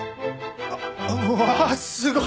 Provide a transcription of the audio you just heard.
あっうわあすごい！